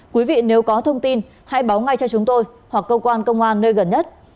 quý vị nếu có thông tin hãy báo ngay cho chúng tôi hoặc cơ quan công an nơi gần nhất